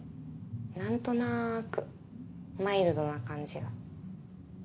なんとなくマイルドな感じが。